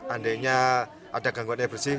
andainya ada gangguan air bersih